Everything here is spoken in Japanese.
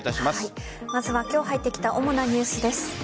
まずは今日入ってきた主なニュースです。